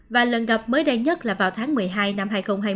và lần gặp mới đây nhất là vào tháng một mươi hai năm hai nghìn hai mươi